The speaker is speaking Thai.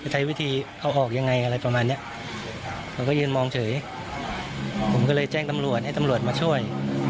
ใช้วิธีเอาออกยังไงอะไรประมาณเนี้ยเราก็ยืนมองเฉยผมก็เลยแจ้งตำรวจให้ตำรวจมาช่วย